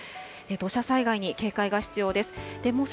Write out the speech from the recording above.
土砂災害に警戒が必要です。